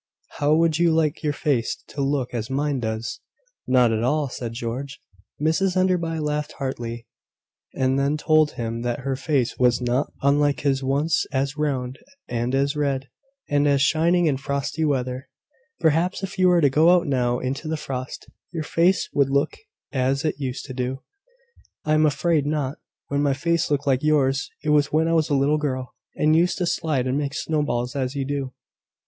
How would you like your face to look as mine does?" "Not at all," said George. Mrs Enderby laughed heartily, and then told him that her face was not unlike his once as round, and as red, and as shining in frosty weather. "Perhaps if you were to go out now into the frost, your face would look as it used to do." "I am afraid not. When my face looked like yours, it was when I was a little girl, and used to slide and make snowballs as you do.